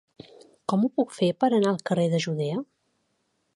Com ho puc fer per anar al carrer de Judea?